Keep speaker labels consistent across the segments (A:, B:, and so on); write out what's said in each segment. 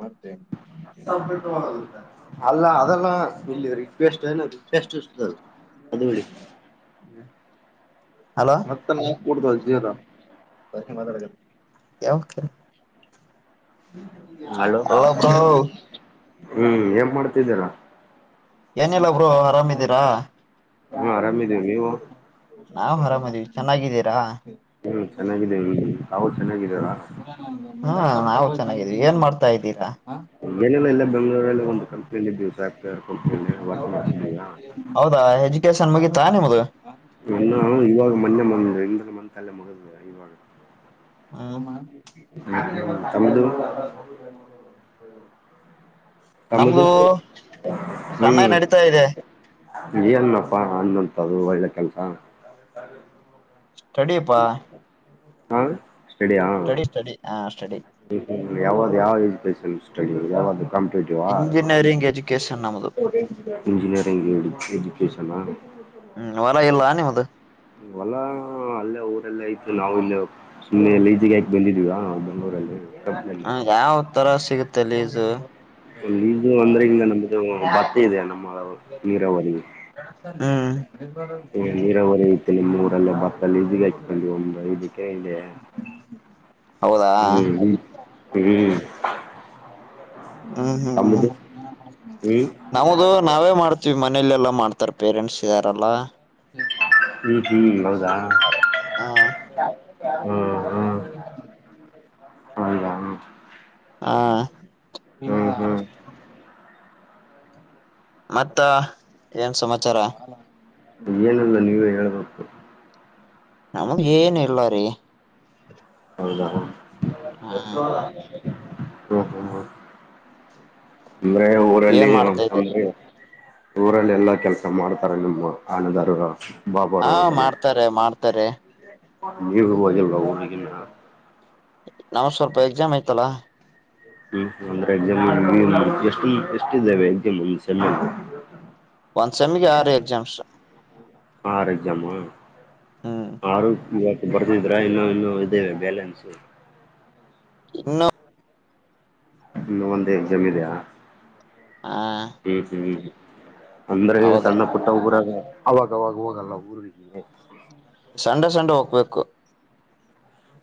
A: ಮತ್ತೆ
B: ಸಂಪ ಮಾಡ [unintelligible] ಅಲ್ಲ ಅದೆಲ್ಲ ಇಲ್ಲಿ ರಿಕ್ವೆಸ್ಟ್ ರಿಕ್ವೆಸ್ಟ್ ಇರ್ತದೆ ಅದು ಹೊಡಿ ಹ [inaudible]
A: ಹಲೋ ಯಾವ
B: ಹಲೋ
A: ಅಲ್ಲ ಬ್ರೋ
B: ಹ್ಮ್ ಏನ್ ಮಾಡ್ತಿದ್ದೀರಾ
A: ಏನಿಲ್ಲ ಬ್ರೋ ಆರಾಮ ಇದ್ದೀರಾ
B: ಹಾ ಆರಾಮಿದೀವಿ ನೀವು
A: ನಾವು ಆರಾಮದೀವಿ ಚೆನ್ನಾಗಿದ್ದೀರಾ
B: ಹ್ಮ್ ಚೆನ್ನಾಗಿದ್ದೇವಿ ತಾವ ಚೆನ್ನಾಗಿದ್ಯಾರ
A: ಹಾ ನಾವು ಚೆನ್ನಾಗಿದ್ವಿ ಏನ್ ಮಾಡ್ತಾ ಇದ್ದೀರಾ
B: ಏನಿಲ್ಲ ಇಲ್ಲ ಬೆಂಗಳೂರಲ್ಲಿ ಒಂದು ಕಂಪ್ನಿಯಲಿ ದಿವ್ಸ ಆಗ್ತದೆ ಕಂನ
A: ಹೌದಾ ಎಜುಕೇಶನ್ ಮುಗಿತಾ ನಿಮ್ದ
B: ನ ಇವಾಗ ಮೊನ್ನೆ ಮಂದ ಇಂದಲ ಮಲ್ಲ ಮಗದ್ ಇವಾಗ
A: ಹೌ ಮ
B: ಹ ಸಮದು ಕಮ್ಮದು
A: ನಮ್ದು ಸಣ್ಣ
B: ಹ್ಮ್
A: ನಡೀತಾ ಇದೆ
B: ಏನನಪ್ಪಾ ಅನ್ನಂತ ಅದು ಒಳ್ಳೆ ಕೆಲ್ಸ
A: ಸ್ಟಡಿಪಾ
B: ಹಾ ಸ್ಟಡಿಯ
A: ಸ್ಟಡಿ ಸ್ಟಡಿ ಆ ಸ್ಟಡಿ
B: ಹ್ಮ ಹ್ಮ ಯಾವ್ದ್ ಯಾವ ಎಜುಕೇಶನ್ ಸ್ಟ ಯಾವ್ದ [inaudible]
A: ಇಂಜಿನಿಯರಿಂಗ್ ಎಜುಕೇಶನ್ ನಮ್ದು
B: ಇಂಜಿನಿಯರಿಂಗ್ ಎಜುಕೇಶಷನ್
A: ಹ್ಮ್ ಹೊಲ ಇಲ್ಲ ನಿಮಮ್ಮ್ದು
B: ಹೊಲ್ಲಾ ಅಲ್ಲೇ ಊರೆಲ್ಲ ಆಯ್ತು ನಾವು ಇಲ್ಲ ಸುಮ್ಮ್ನೆ ಎಲ್ಲ ಈಜಗ ಹಾಕ್ ಬಂದಿದೀವ ನನ್ನೂರೈದು
A: ಹ ಯಾವ ತರ ಸಿಗುತ್ತಲ್ಲಿ ಇದು
B: ಒ ಇದು ಅಂದ್ರೆಲ್ಲ ನಮ್ದ ಬತ್ತೆ ಇದೆ ನಮ್ಮ ನೀರಾವರಿ
A: ಹ್ಮ್
B: ನೀರಾವರಿ ಇಐತ್ತು ನಿಮ್ಮ ಊರಲ್ಲೇ ಬತ್ತಲ್ಲಿ ಇದಗ ಹಚ್ಕೊಂಡಿ ಒಂದು ಐದಕ್ಕೆ ಇದೆ
A: ಹೌದಾ
B: ಹ್ಮ ಹ್ಮ್
A: ಹ್ಮ್ ಹ್ಮ್
B: ತಮ್ಮದು
A: ಹ್ಮ್
B: ಹ್ಮ್
A: ನವುದು ಮಾಡ್ತೀವಿ ಮನೆಯಲೆಲ್ಲ ಮಾಡ್ತಾರೆ ಪೇರೆಂಟ್ಸ್ ಇದ್ದಾರೆಲ್ಲ
B: ಈತಿ ಹೌದಾ
A: ಹ
B: ಹ್ಮ್ ಹ್ಮ್
A: ಹ
B: ಹೌದಾ
A: ಹಾ ಇ
B: ಹ್ಮ್ ಹ್ಮ್
A: ಮತ್ತ ಏನ್ ಸಮಾಚಾರ
B: ಏನಲ್ಲ ನೀವೇ ಹೇಳ್ಬೇಕು
A: ನಮ್ಮ ಏನಿಲ್ಲ ರೀ
B: ಹೌದಾ ಹ
A: ಹ
B: ಹ ಹ್ಮ ಅಂದ್ರೆ ಊರಲ್ಲಿ
A: ಏನ್
B: [inaudible]
A: ಮಾಡ್ತಾ ಇದ್ದೆ
B: ಊರಲ್ಲಿ ಎಲ್ಲಾ ಕೆಲಸ ಮಾಡ್ತಾರೆ ನಿಮ್ಮ ಆನದಾರ
A: ಹಾ ಮಾಡ್ತಾರೆ ಮಾಡ್ತಾರೆ
B: ನೀವು ಹೋಗಿಲ್ವಾ ಊರಿಗೆ
A: ನಾ ಸ್ವಲ್ಪ ಎಕ್ಸಾಮ್ ಆಯ್ತಲ್ಲಾ
B: ಹ್ಮ್ ಅಂದ್ರೆ ಎಕ್ಸಾಮ್ ಎಷ್ಟು ಎಷ್ಟ ಇದ್ದಾವೆ ಎಕ್ಸಾಮ್ ಒಂದ
A: ಒಂದ್ ಸೆಮಗೆ ಯಾರ ಎಕ್ಸಾಮ್ಸ್
B: ಆರು ಜಮ್ಮಾ
A: ಹ್ಮ್
B: ಆರು ಬರ್ದಿದ್ರ ಇನ್ನು ಇನ್ನು ಇದೇವೆ ಬ್ಯಾಲೆನ್ಸ್
A: ಇನ್ನು
B: ಹ್ಮ ಒಂದೇ ಎಕ್ಸಾಮ್ ಇದಿಯಾ
A: ಹಾ
B: ಹ್ಮ್ ಹ್ಮ್ ಅಂದ್ರೆ ಸಣ್ಣ ಪುಟ್ಟ ಒಬರಾಗ ಅವಾಗವಾಗ ಹೋಗಲ್ಲ ಊರ್ರಿಗೆ
A: ಸಂಡೆ ಸಂಡೆ ಹೋಗ್ಬೇಕು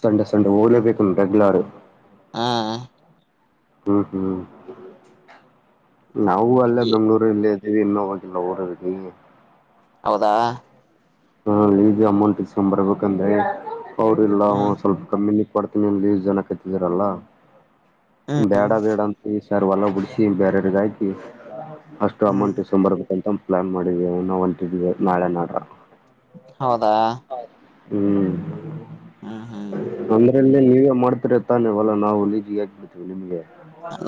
B: ಸಣ್ಣ ಸಣ್ಣ ಓದಲೇಬೇಕು ರೆಗ್ಯುಲರ್
A: ಹಾ
B: ಹ್ಮ್ ಹ್ಮ್ ನಾವು ಅಲ್ಲ ಬೆಂಗ್ಳೂರು ಬಲ್ಲಿ ಇನ್ನ ಒಲೋಡಗೆ
A: ಹೌದಾ
B: ಹ ಈದು ಅಮೌಂಟ್ ಇಸ್ಕೊಂಡ್ ಬರ್ಬೇಕಂದ್ರೆ ಅವ್ರಲ್ಲ
A: ಹ್ಮ್
B: ಸ್ವಲ್ಪ ಕಮ್ಮಿನ ಕೊಡ್ತೀನಿ ಲಸ್ ಜನ ಕತ್ತಿದರಲ್ಲ
A: ಹ್ಮ್
B: ಬೇಡ ಬೇಡ ಅಂತ ಸರ್ ಹೊಲ್ಲ ಬಿಡಿಸಿ ಬೇರೆಯವ್ರಗಾಯಕಿ ಅಷ್ಟು
A: ಹ್ಮ್
B: ಅಮೌಂಟ್ ಈಸ್ಕೊಂಡು ಬರ್ಬೇಕುಂತ ಪ್ಲಾನ್ ಮಾಡೀವಿ ನೋ ಹೊಲ್ಂತಿದ್ವಿ ನಾಳೆ ನೋಡ್ರ
A: ಹೌದಾ
B: ಹ್ಮ್
A: ಹ್ಮ ಹಾ
B: ಅಂದ್ರೆ ಇಲ್ಲ ನೀವೇ ಮಾಡ್ತರ ತಾನೇವಲ್ಲಾ ನಾವು ಲಜಿಗೆ ಹಾಕ ಬಿಿಡ್ತೀವಿ ನಿಮ್ಗೆ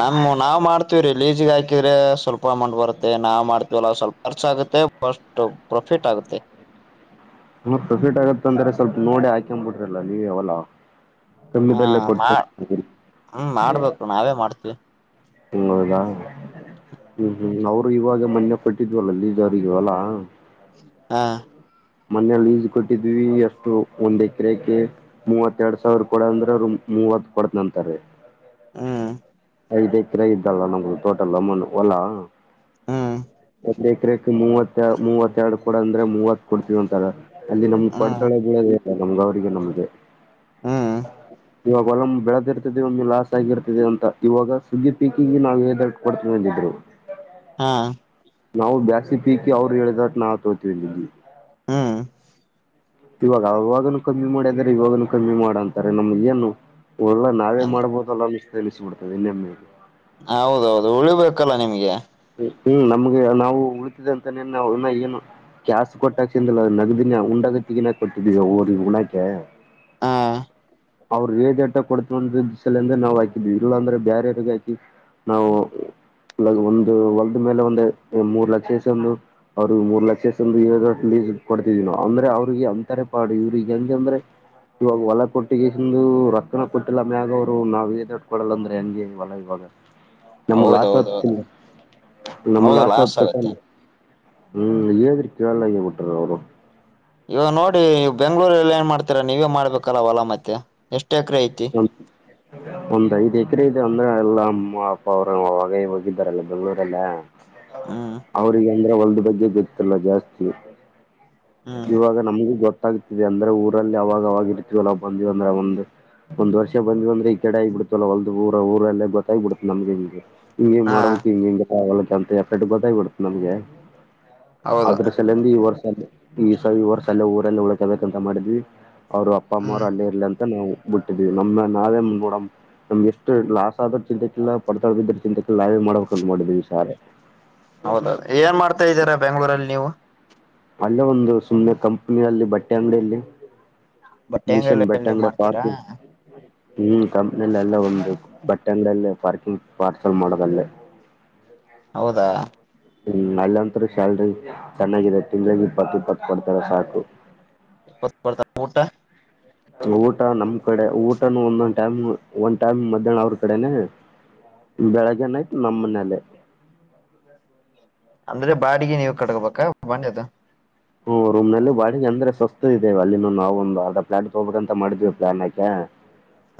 A: ನಮ್ಮ ನಾವ್ ಮಾಡ್ತೀವಿ ರಿಲೀಜ ಹಾಕಿದ್ರೆ ಸ್ವಲ್ ಅಮೌಂಟ್ ಬರುತ್ತೆ ನಾವ್ ಮಾಡ್ತೀವಲ್ಲ ಸ್ವಲ್ಪ ಖರ್ಚಾಗುತ್ತೆ ಬಸ್ಟ್ ಪ್ರಾಫಿಟ್ ಆಗುತ್ತೆ
B: ಹೂ ಪ್ರೊಫಿಟ್ ಆಗತ್ತ ಅಂದ್ರೆ ಸ್ವಲ್ಪ ನೋಡಿ ಹಾಕೊಂಡ್ಬ ಬಿಟ್ರಲ್ಲ ನೀವ ಅವಲ್ಲ
A: ಹ
B: ಕಮ್ಮದೆಲ್ಲ ಕೊಡ್ತ
A: ಮಾ ಹ್ಮ್ ಮಾಡ್ಬೇಕು ನಾವೇ ಮಾಡ್ತೀವಿ
B: ಹೂ ಹೌದ ಹೂ ಹೂ ಅವ್ರು ಇವಾಗ ಮೊನ್ನೆ ಕೊಟ್ಟಿದ್ವಲ್ಲಲ್ಲಿ ಜಾರಿಗ ಹೊಲ ಅಲ್ಲಾ
A: ಹಾ
B: ಮನೇೆಯಲ್ಲಿ ಈಸ್ ಕೊಟ್ಟಿದ್ವಿ ಅಷ್ಟು ಒಂದ್ ಎಕರೆಕ ಮೂವತ್ತ ಎರಡ್ ಸಾವಿರ ಕೊಡ ಅಂದ್ರ ಅವರು ಮೂವತ್ ಕೊಡ್ನಿ ಅಂತಾರ
A: ಹೂ
B: ಐದ್ ಎಕರೆ ಇದ್ದಲ್ಲ ನಮದು ಟೋಟಲ್ ಅಮನ್ ಹೊಲಾ
A: ಹ್ಮ್
B: ಐದ್ ಎಕರೆ ಮೂವ ಮೂವತ್ತೆರಡು ಕೊಡ ಅಂದ್ರೆ ಮೂವತ್ ಕೊಡ್ತಿೀವಿ ಅಂತಾರ ಅಲ್ಲಿ ನಮ್
A: ಹ್ಮ್
B: ಪಡ್ತಳ ಬಂದ್ ಅವ್ರಿಗೆ ನಮ್ಗೆ
A: ಹ್ಮ್
B: ಇವಾಗ ಒಲಮ್ಮ್ ಬೆಳೆದಿರ್ತದೆ ಒಮ್ಮೆ ಲಾಸ್ ಆಗಿರ್ತದೆ ಅಂತ ಇವಾಗ ಸುಗ್ಗಿ ಪೀಕಿಗೆ ನಾವು ಹದ ಕೊಡ್ತೀವಿ ಅಂದಿದ್ರು ಹ
A: ಹಾ
B: ನಾವು ಬ್ಯಾಸಿ ಪೀಕಿ ಅವ್ರು ಹೇಳಿದ ನಾ ತೊಗೊತಿಂದ್ವಿ
A: ಹೂ
B: ಇವಾಗ ಅವವಾಗನುೂ ಕಮ್ಮಿ ಮಾಡ್ಯದ್ರೆ ಇವಾಗನು ಕಮ್ಮಿ ಮಾಡಂತಾರೆ ನಮ್ಗ ಏನು ಹೊಲ ನಾವೇ ಮಾಡ್ಬೋದಲ್ಲ ಅನ್ನ ತಿಳಿಸ್ಬಿಡ್ತದೆ ಇನ್ನೆಮ್ಮಗೆ
A: ಹೌದೌದು ಉಳಿಬೇಕಲ್ಲ ನಿಮ್ಗೆ
B: ಹೂ ನಮ್ಗೆ ನಾವು ಉಳಿತಿದೆ ಅಂತಾನೇಾ ಏನು ಕ್ಯಾಸ್ ಕೊಟ್ಟಾಕ್ ಚಿಂದ ನಗದಿನ ಉಂಡಗತಿಗಿನ ಕೊಟ್ಟಿದೀವಿ ಊ ಉುಣಾಕೆ
A: ಹಾ
B: ಅವ್ರರು ಹೇದೇಟ ಕೊಡ್ತವ ಅ ದಸ ಎ ಅಂದ್ರ ನಾವು ಹಾಕಿದ್ವಿ ಇಲ್ಲ ಅಂದ್ರೆ ಬೇರೆ್ರಗ ಹಾಕಿ ನಾವು ಒಂದು ಹೊಲದ್ ಮೇಲೆ ಒಂದು ಮೂರ್ ಲಕ್ಷಸ ಇಸ್ಕೊಂಡು ಅವ್ರರು ಮೂರ್ ಲಕ್ಷಷ್ಟಂದ ಇ ಲೀಸ್ ಕೊಡ್ತಿದೀನ ಅಂದ್ರೆ ಅವ್ರಿಗೆ ಅಂತರ ಪಾಡು ಇವ್ರಿಗೆ ಹೆಂಗ ಅಂದ್ರೆ ಇವಾಗ ಹೊಲ ಕೊಟ್ಟಿಕೆಸಿ ಎಂದು ರೊಕ್ಕ ಕೊಟ್ಟಿಲ್ಲ ಮ್ಯಾಗ ಅವ್ರು ನಾವು ಡ್ ಕೊಡಲ್ಲ ಅಂದ್ರೆ ಹಂಗೆ ಹೊಲ ಇವಾಗ ನಮ್ಗ್ ಲಾಸ್
A: ಹೌದೌದೌದು
B: ಆತಿಲ್ಲ ನಮ್ಗ್
A: ಹೌದು
B: ಆಾಸ್
A: ಲಾಸ್ ಆಗತ್ತೆ
B: ಆತಲ್ಲ ಹೂ ಹೇಳ್ರಿ ಕೇಳಗಬಿಟ್ರ ಅವ್ರು
A: ಇವಾಗ ನೋಡಿ ನೀವು ಬೆಂಗ್ಗಳೂರಲ್ಲಿ ಏನ್ ಮಾಡ್ತೀರಾ ನೀವೇ ಮಾಡ್ಬೇಕಲ್ಲ ಹೊಲಾ ಮತ್ತೆ ಎಷ್ಟ್ ಎಕರೆ ಐತ್ತು
B: ಹೌ ಒಂದ ಐಡ್ ಎಕರೆ ಇದೆ ಅಂದ್ರೆ ಎಲ್ಲ ಅಮ್ಮ ಅಪ್ಪ ಅವರು ಆ ಹೋಗಿದ್ದಾರಲ್ಲ ಬೆಂಗ್ಗಳೂರಲ್ಲ
A: ಹ್ಮ್
B: ಅವ್ರಿಗೆ ಅಂದ್ರೆ ಹೊಲ್ದ ಬಗ್ಗೆ ಗೊತ್ತಿಲ್ಲ ಜಾಸ್ತಿ
A: ಹ್ಮ್
B: ಇವಾಗ ನಮ್ಗೂ ಗೊತ್ತಾಗ್ತಿದೆ ಅಂದ್ರೆ ಊರಲ್ಲಿ ಅವಾವಾಗಾಗ ಇರ್ತವಲ್ಲ ಬಂದಿವವ ಅಂದ್ರೆ ಒಂದಂದು ಒಂದ್ ವರ್ಷ ಬಂದ್ ಬಂದ್ರೆ ಈ ಕಡೆ ಆಗ್ಿಬಿಡ್ತಲ್ಲ ಹೊಲ್ದ ಊರ ಊರಲ್ಲೇ ಗೊತ್ತಾಗ್ಬ ಬಿಡತು ನಮ್ಗೆ ಹಗೆ ಹಿಂ ಹಿಂಗ
A: ಹಾ
B: ಮಾಡಬೇಕು ಹಿಂಗ ಹಿಂಗಗೆ ಆಗ ಅಂತ ಎಫೆ ಗೊತ್ತಾಗಬ ಬಿಡುತ್ತೆ ನಮಗೆ
A: ಹೌದು
B: ಅ್ರ ಈ ವರ್ಷ ಈ ಸ ಈ ವರ್ಷಲ್ಲೇ ಊರಲ್ಲ ಉಳ್ಕಬೇಕಂತ ಮಾಡಿದ್ವಿ ಅವರು ಅಪ್ಪ ಅಮ್ಮ
A: ಹ್ಮ್
B: ಅವ್ರು ಅಲ್ಲೇ ಇರ್ಲಿ ಅಂತ ನಾವು ಬಿಟ್ಟಿದೀವಿ ನಮ್ಮ ನಾವೇ ಮುಂದ್ಬೋಡ ನಮ್ಗೆ ಎಷ್ಟ ಲಾಸ್ ಆದ ಚಿಂತೆಕಲ್ಲ ಪಡ್ತಾಡದಿದ್ರ ಚಿಂತೆಕಲ್ಲ ನಾವೇ ಮಾಡಬೇಕಂತ ಮಾಡಿದ್ವಿ ವಿಷಾರ ಹ
A: ಹೌದೌದು ಏನ್ ಮಾಡ್ತಾ ಇದ್ದೀರಾ ಬೆಂಗ್ಗಳೂರಲ್ಲಿ ನೀವು
B: ಅಲ್ಲೇ ಒಂದು ಸುಮ್ಮ್ನೆ ಕಂಪ್ನಿ ಅಲ್ಲಿ ಬಟ್ಟೆ ಅಂಗಡಿಯಲ್ಲಿ
A: ಬಟ್ಟೆ
B: ಮಿಷನ್
A: ಅಂಗಡಿಯಲ್ಲಿ
B: ಬಟ್ಟಂಗಡ
A: ಮಾಡ್ತೀರಾ
B: ಪಾರ್ಕಿ ಹ್ಮ ಕಂಪ್ನಿಲ್ಲ ಒಂದು ಬಟ್ಟೆಂಗಲ್ಲ ಪಾರ್ಕಿಂಗ್ ಪಾರ್ಸಲ್ ಮಾಡೋದಲ್ಲೇ
A: ಹೌದಾ
B: ಹ್ಮ ಅಲ್ಲಂತರು ಶಲ್ರಿ ಚೆನ್ನಾಗಿದೆ ತಿಂಗಳಾಗಿ ಬತ್ತಿ ಪಟ್ ಕೊಡ್ತಾರೆ ಸಾಕು
A: ಡ್ತ
B: ಊಟ ನಮ್ ಕಡೆ ಊಟನುೂ ಒಂದೊಂದ್ ಟೈಮ್ ಒಂದ್ ಟೈಮ್ ಮಧ್ಯಾಹ್ನ ಅವ್ರ ಕಡೆನೆ ಬೆಳಗ್ಗೆನ ಆಯ್ತು ನಮ್ಮ್ ಮನೇಲೆ
A: ಅಂದ್ರೆ ಬಾಡಿಗೆ ನೀವು ಕಡ್ಕೋಬೇಕಾ ಬಂಡ ಅದು
B: ಹ್ಮ ರೂಮ್ ನಲ್ಲಿ ಬಾಡಿಗೆ ಅಂದ್ರೆ ಸಸ್ತದ ಇದೇವ ಅಲ್ಲಿಂದ ನಾವವು ಒಂದು ಅರ್ಧ ಪ್ಲಾಟ್ ತಗೋಬಿ ಅಂತ ಮಾಡಿದೀವಿ ಪ್ಲಾನ್ಾಕೆ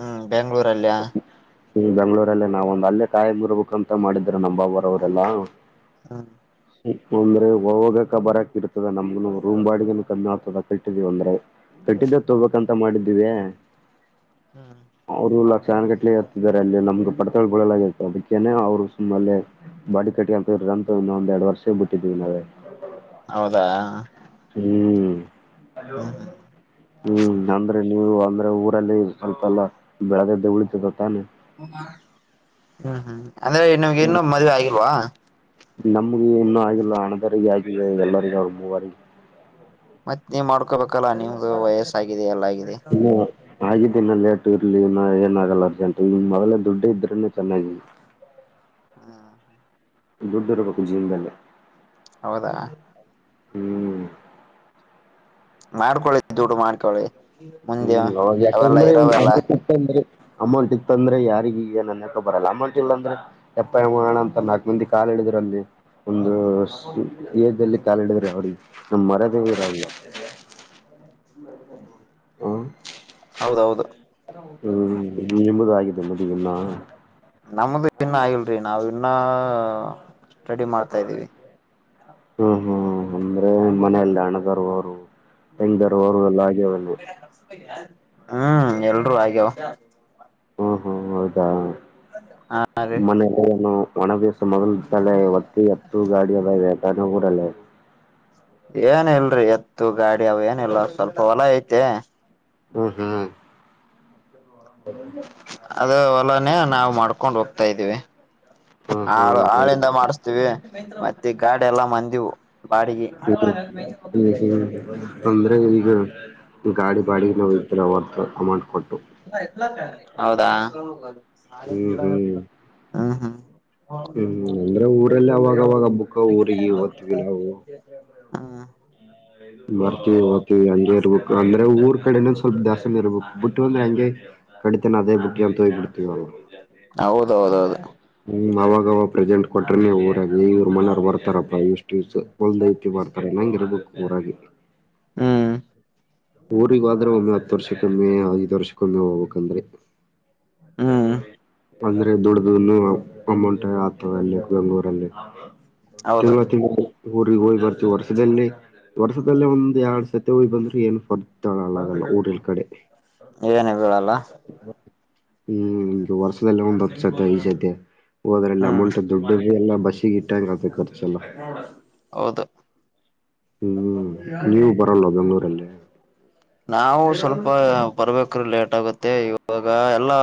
A: ಹ್ಮ್ ಬೆಂಗ್ಳೂರಲ್ಲಿಯ
B: ಈ ಬೆಂಗಳೂರಲ್ಲೇ ನಾವ್ ಒಂದು ಅಲ್ಲೇ ಕಾಯ ಬರ್ಬೇಕುಕ್ ಅಂತ ಮಾಡಿದ್ರ ನಮ್ಮ್ಾಬರವರೆಲ್ಲಾ
A: ಹಾ
B: ಅಂದ್ರೆ ಹೋಗಕ ಬರಕ್ ಇರ್ತದ ನಮ್ಗ ರೂಮ ಬಾಡಗನು ಕಮ್ಮಿ ಆಗ್ತದ ಕತಿದೀ ಅಂದ್ರೆ ಕಟ್ಟಿದ್ದ ತೋಗಬೇಕಕ್ಂತ ಮಾಡಿದ್ದೀವಿ
A: ಹ್ಮ
B: ಅವ್ರು ಲಕ್ಷಣಗಟ್ಲೆ ಹತ್ತಿದ್ದಾರೆ ಅಲ್ಲಿ ನಮ್ಗೆ ಪಡ್ತ ಬಡಲಾಗಿತ್ತು ಅದಕ್ಕನೆ ಅವ್ರು ಸುಮ್ಮ ಬಾಡಿ ಕಟ್ಟಿ ಅಂತಿದಂತು ಇನ್ನೊಂದ್ ಎರಡ್ ವರ್ಷ ಬಿಟ್ಟಿದ್ವಿ ನಾವೇ
A: ಹೌದಾ
B: ಹ್ಮ್ೋ
A: ಹ್ಮ್
B: ಹ್ಮ್ ಅಂದ್ರೆ ನೀವು ಅಂದ್ರೆ ಊರಲ್ಲಿ ಸ್ವಲ್ಪ ಎಲ್ಲಾ ಬೆಳೆದದ್ದೆ ಉಳಿತದ ತಾನೇ
A: ಹ್ಮ್ ಹ್ಮ್ ಅಂದ್ರೆ ನಿಮ್ಗೆ ಇನ್ನೂ ಮದ್ವೆ ಆಗಿಲ್ವಾ
B: ನಮ್ಗೆ ಇನ್ನೂ ಆಗಿಲ್ಲ ಹಣದರಿಗೆ ಆಗಿಲ್ಲ ಎಲ್ಲರಿಗ ಅವರು ಮೂವರಿಗೆ
A: ಮತ್ತತ್ ನೀವ್ ಮಾಡ್ಕೋಬೇಕಲ್ಲಾ ನಿಮ್ದು ವಯಸ್ಸಾಗಿದೆ ಎಲ್ಲ ಆಗಾಗಿದೆ
B: ಧನ್ಯವಾದ ಆಗಿದ್ದ ಇನ್ನ ಲೇಟ್ು ಇರ್ಲಿ ನ ಏನ ಆಾಗಲ್ಲ ಅರ್ಜೆಂಟ್ ಈ್ ಮೊದಲೇ ದುಡ್ಡು ಇದ್ರೆನೆ ಚೆನ್ನಾಗಿ
A: ಹಾ ಹಾ
B: ದುಡ್ಡು ದಡ್ಬೇಕು ಜೀವದೇ
A: ಹೌದಾ
B: ಹ್ಮ್
A: ಮಾಡ್ಕೊಳ್ಳಳಿ ದುಡ್ಡು ಮಾಡ್ಕೊಳ್ಳಿ ಮುಂದೆ
B: ಹ್ಮ್ ಅವ
A: ಅವೆಲ್ಲ
B: ಯಾಕಂದ್ರ
A: ಇರಾವಲ್ಲ
B: ಇಂದ್ರೆ ಅಮೌಂಟ್ ಇತ್ತ ಅಂದ್ರೆ ಯಾರಿಗ ಈಗ ನನ್ ಹಕೊ ಬರಲ್ಲ ಅಮೌಂಟ್ ಇಲ್ಲ ಅಂದ್ರೆ ಎಪ್ಪಾಯ ಮಾಡ ಅಂತ ನಾಕು ಮಂದಿ ಕಾಾಲಿಳಿದ್ರ ಅಲ್ಲಿ ಒಂದು ದಲ್ಲಿ ಕಾಲಿಡಿದ್ರಿ ಅವಿ ನಮ್ ಮರದೇರ ಅವ
A: ಹ್ಮ
B: ಬರ
A: ಹೌದೌದು
B: ಎಂಬುದಿದ್ದ ಮದುವಿನ
A: ನಮ್ದ ಇನ್ನ ಆಗಲ್ರಿ ನಾವವು ಇನ್ನ ಸ್ಟಡಿ ಮಾಡ್ತಾ್ದೀವಿ
B: ಹ್ಮ್ ಹ್ಮ್ ಅಂದ್ರೆ ಮನಲ್ಲ ಹಣ್ಣಗಾರ ಅವರು ಹೆಂಗರು ಅವರು ಎಲ್ಲ ಆಗ್ಯವನು
A: ಹ್ಮ್ ಎಲ್ರುೂರು ಆ್ಯಾವ
B: ಹಾ ಹಾ ಹೌದಾ
A: ಹಾ ರೀ
B: ಮನೆಯಲ್ಲ ಏನು ಒಣ ವ್ಯಸ ಮೊದಲ ತಳೆ ಒತ್ತ ಎತ್ತು ಗಾಡಿ ಅದ ಇದೆ ಕನಗೂರಲ್ಲ
A: ಏನ ಇಲ್ರರಿ ಎತ್ತು ಗಾಡಿ ಅವ ಏನ ಇಿಲ್ಲ ಸ್ವಲ್ಪ ಹೊಲ ಐತಿ
B: ಹ್ಮ ಹ್ಮ್ ಹ
A: ಅದ ಹೊಲಾನ ನಾವು ಮಾಡ್ಕೊಂಡ್ ಹೋಗ್ತಾ ಇದ್ದೀವಿ
B: ಹ್ಮ್
A: ಹಾಳು ಹಾಳಿಂದ
B: ಹ್ಮ್
A: ಮಾಡಿಸ್ತೆವಿ ಮತ್ತೆ ಗಾಡಿ ಎಲ್ಲಾ ಮಂದಿವು ಬಾಡಿಗೆ
B: ಹ್ಮ್ಮ ಅಂದ್ರೆ ಈಗ ಗಾಡಿ ಬಾಡಿ ನವು [inaudible] ಇರೋವರ್ತ್ತು ಅಮೌಂಟ್ ಕೊಟ್ಟು
A: [inaudible] ಹೌದ
B: ಹ್ಮ್ ಹ್ಮ್
A: ಹ ಹ್ಮ
B: ಹ್ಮ್ ಅಂದ್ರೆ ಊರಲ್ಲಿ ಅವಾಗವಾಗ ಬುಕ್ಕ ಊರಿಗೆ ಓತವಿ ನಾವು
A: ಹಾ
B: ಬರ್ಕ [unintelligible] [unintelligible] ಹಂಗೆ ಇರ್ಬೇಕು ಅಂದ್ರೆ ಊರ್ ಕಡೆ ಸ್ವಲ್ಪ ದ್ಯಾಸನ ಇರ್ಬೇಕು ಬಿಟ್ಟು ಅಂದ್ರೆ ಹಂಗೆ ಕಡಿತೆ ಅದೇ ಬುಕ್ ಏಂತ [inaudible] ತೋಗ್ಿಡ್ತೀವಿವಾಗ
A: ಹೌದೌದೌದು
B: ಹ್ಮ್ ಅವಾಗವ ಪ್ರೆಸೆಂಟ್ ಕೊಟ್ರನೆ ಊರಾಗ ಇವ್ರ [unintelligible] ಮನವರು ಬರ್ತಾರಪ್ಪಾ ಇಷ್ಟು ಹೊಲ್ದ ಐತಿ ಬರ್ತಾರ ನಂಗ ಇರ್ಬೇಕು ಊರಾಗಿ
A: ಹ್ಮ
B: ಊರಿಗ ಆದ್ರೆ ಒಮ್ಮೆ ಹತ್ತು ವರ್ಷಕ್ಕೊಮ್ಮೆ ಐದು ವರ್ಷಕ್ಕೊಮ್ಮೆ ಹೋಗ್ಬೇಕಂದ್ರೆ ಚ
A: ಹ್ಮ್
B: [unintelligible] ಅಂದ್ರೆ ದೊಡ್ಡ್ದ ಅಮ್ಮೌಂಟ ಆತವ ಅಲ್ಲಿ ಬೆಂಗ್ಳೂರಲ್ಲಿ
A: ಹೌದು
B: ತಿವತ್ತ [inaudible] ಊರಿಗೆ ಹೋಯ್ ಬರ್ತು ವರ್ಷದಲ್ಲಿ ವರ್ಷದಲ್ಲೇ ಒಂದ್ ಎರಡ್ ಸತಿ ಹೋಗಿ ಬಂದ್ ಏನು [unintelligible] ಪರ್ತಳಳ್ಳಾಗಲ್ಲ ಊರಿಲ್ ಕಡೆ
A: ಏನ ಬೀಲ್ಲ [unintelligible]
B: ಹ್ಮ್ ಈಗ ವರ್ಷದಲ್ಲ ಒಂದ್ ಹತ್ತು ಸತೆ ಐದು ಸತಿ ಹೋದ್ರಲ್ಲಿ
A: ಹ್ಮ್
B: ಅಮೌಂಟ್ ದೊಡ್ಡೊ ಎಲ್ಲಾ ಬಸಿಗ್ ಇಟ್ [unintelligible] ಕರ್ಚೆಲ್ಲಾ
A: ಹೌದು
B: ಹ್ಮ್ ನೀವು ಬರಲ್ವ ಬೆಂಗ್ಳೂರಲ್ಲಿ
A: ನಾವು ಸ್ವಲ್ಪ ಬರ್ಬೇಕ್ರೀ ಲೇಟ್ ಆಗುತ್ತೆ ಇವಾಗ ಎಲ್ಲಾ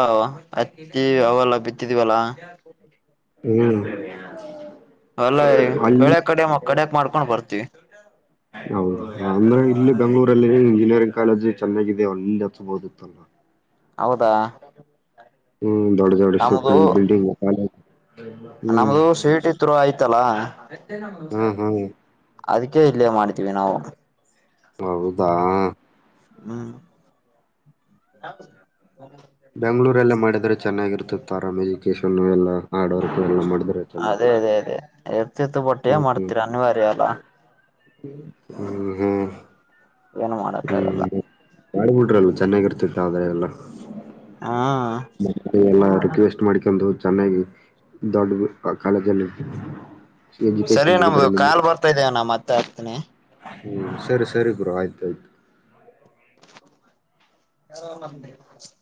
A: ಹತ್ತಿ ಅವೆಲ್ಲ ಬಿತ್ತಿದ್ವಲ್ಲ
B: ಹ್ಮ್
A: ಅಲ್ಲ
B: ಅಲ್ಲಿ
A: ಬೆಳೆ ಕಡೆ ಮ ಕಡಕ್ ಮಾಡ್ಕೊಂಡ್ ಬರ್ತವಿ
B: [inaudible] ಹೌದು ಅಂದ್ರೆ ಇಲ್ಲಿ ಬೆಂಗ್ಗಳೂರಲ್ಲಿ ಇಂಜಿನಿಯರಿಂಗ್ ಕಾಲೇಜ್ ಚೆನ್ನಾಗಿದೆ ಅಲ್ಲಿ ಹಚ್ಬೋದಿತ್ತಲ್ಲ
A: ಹೌದಾ
B: ಹ್ಮ್ ದೊಡ್ ದೊಡ್
A: ನಮ್ದು
B: [unintelligible] ಬಿಲ್ಡಿಂಗ್ ಹ್ಮ್
A: ನಮ್ದು ಸ್ವೀಟ್ತ್ರು ಆಯ್ತಲ್ಲ
B: ಹ್ಮ್ ಹ್ಮ್
A: ಅದ್ಕೆ ಇಲ್ಲೇ ಮಾಡ್ತೀವಿ ನಾವು
B: ಹೌದಾ
A: ಹ್ಮ್
B: ಬೆಂಗಂಳೂರ್ಲ್ಲ ಮಾಡಿದ್ರೆ ಚೆನ್ನಾಗಿರ್ತೆ ಆರಾಮ್ ಎಜುಕೇಶನ್ ಎಲ್ಲ ಹಾರ್ಡ್ ವರ್ಕ್ ಎಲ್ಲ ಮಾಡಿದ್ರೆ ಚೆನ್ನಾಗಿರುತ್ತೆ
A: ಅದೇ ಅದೇ ಅದೇ ಇರ್ತಿತ್ತು ಬಟ್ ಏನ್
B: ಹ್ಮ್
A: ಮಾಡ್ತೀರಾ ಅನಿವಾರ್ಯ ಅಲ್ಲ
B: ಹ್ಮ್ ಹ್ಮ್
A: ಏನು ಮಾಡಕ್ಕಾಗಲ್ಲ
B: ಹ್ಮ್ ಮಾಡ್ಬಿಟ್ರಲ್ವ ಚೆನ್ನಾಗಿರ್ತಿತ್ತು ಆದಾಯ ಎಲ್ಲ
A: ಹಾ
B: ಎಲ್ಲ ರಿಕ್ವೆಸ್ಟ್ ಮಾಡ್ಕೊಂಡು ಚೆನ್ನಾಗಿ ದೊಡ್ಡ ಕಾಲೇಜಲ್ಲಿ ಎಜುಕೇಶನ್
A: ಸರಿಅಣ್ಣಾ ನಮ್ದು
B: ಮುಗಿದ್ರೆ
A: ಕಾಲ್ ಬರ್ತಾ ಇದೆ ಅಣ ಮತ್ತೆ ಹತನಿ
B: ಹ್ಮ ಸರಿ ಸರಿ ಬ್ರೊ ಆಯ್ತಾಯ್ತು
A: [unintelligible]